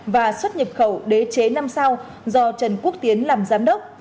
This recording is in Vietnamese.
và xuất nhập khẩu đế chế năm sao do trần quốc tiến làm giám đốc